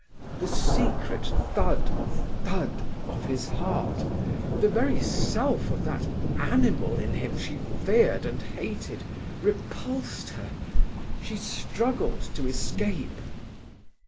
The secret thud, thud of his heart, the very self of that animal in him she feared and hated, repulsed her. She struggled to escape.